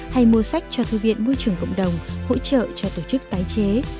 hay mua sách cho thư viện môi trường cộng đồng hỗ trợ cho tổ chức tái chế